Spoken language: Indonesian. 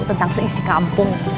tentang seisi kampung